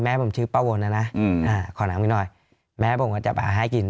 แม่ผมชื่อป้าโวนน่ะนะอืมอ่าค่อน้ำกินน้อยแม่ผมก็จับอาหารกิน